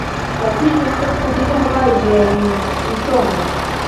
La filmo estas publika havaĵo en Usono.